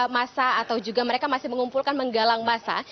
masa atau juga mereka masih mengumpulkan menggalang masa